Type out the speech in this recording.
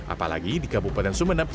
apalagi di kabupaten sumeneb